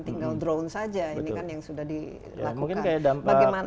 tinggal drone saja ini kan yang sudah dilakukan